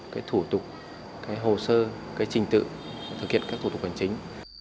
cái thủ tục cái hồ sơ cái trình tự thực hiện các thủ tục hành chính